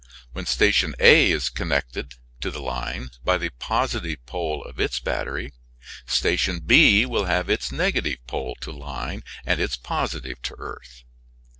When Station A (Fig. 3) is connected to the line by the positive pole of its battery, Station B will have its negative pole to line and its positive to earth.